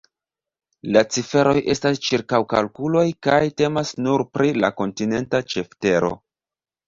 La ciferoj estas ĉirkaŭkalkuloj kaj temas nur pri la kontinenta ĉeftero.